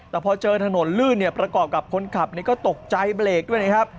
แต่พอเจอถนนลื่นเนี่ยประกอบกับคนขับก็ตกใจเบรกด้วยนะครับ